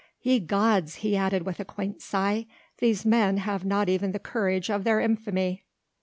"Ye gods!" he added with a quaint sigh, "these men have not even the courage of their infamy!"